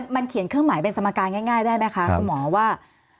มันเขียนเครื่องหมายเป็นสมการง่ายได้ไหมคะคุณหมอว่า